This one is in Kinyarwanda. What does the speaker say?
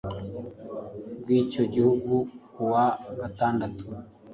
bwicyo gihugu ku wa gatandatu.